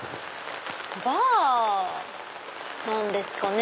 バーなんですかね？